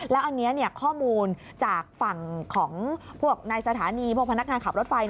แล้วอันนี้ข้อมูลจากฝั่งของพวกในสถานีพวกพนักงานขับรถไฟ